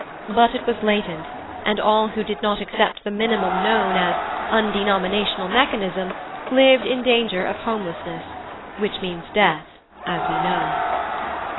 But it was latent, and all who did not accept the minimum known as 'undenominational Mechanism' lived in danger of Homelessness, which means death, as we know.